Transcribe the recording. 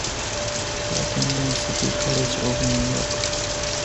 She attended City College of New York.